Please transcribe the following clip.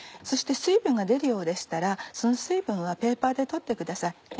そして水分が出るようでしたらその水分はペーパーで取ってください。